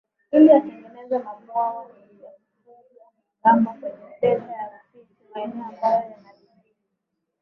ili atengeneze mabwawa ya kufuga kamba kwenye delta ya Rufiji maeneo ambayo yana vijiji